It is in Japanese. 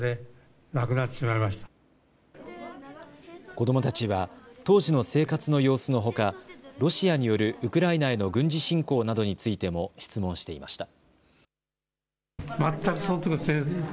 子どもたちは当時の生活の様子のほか、ロシアによるウクライナへの軍事侵攻などについても質問していました。